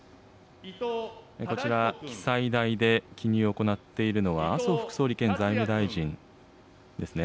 こちら、記載台で、記入を行っているのは、麻生副総理兼財務大臣ですね。